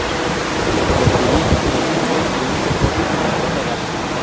Se convertiría el primer y único podio en la Ronda Gala.